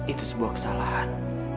itu sebuah kesalahan